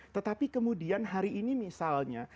tetapi kemudian hari ini misalnya